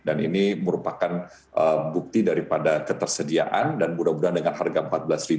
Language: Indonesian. dan ini merupakan bukti daripada ketersediaan dan mudah mudahan dengan harga rp empat belas